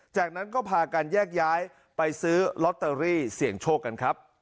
จากนั้นก็พากันแยกย้ายไปซื้อลอตเตอรี่เสี่ยงโชคกันครับ